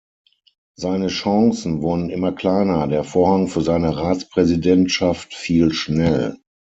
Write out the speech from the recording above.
Seine Chancen wurden immer kleiner, der Vorhang für seine Ratspräsidentschaft fiel schnell.